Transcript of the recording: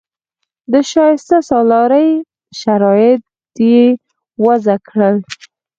د شایسته سالارۍ شرایط یې وضع کړل.